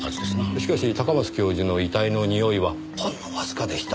しかし高松教授の遺体の臭いはほんのわずかでした。